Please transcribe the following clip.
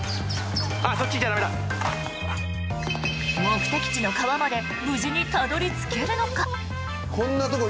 目的地の川まで無事にたどり着けるのか？